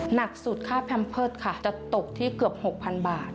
หนักสุดค่าแพมเพิร์ตค่ะจะตกที่เกือบ๖๐๐๐บาท